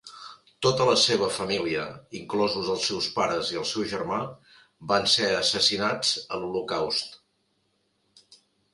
Tota la seva família, inclosos els seus pares i el seu germà, van ser assassinats a l'Holocaust.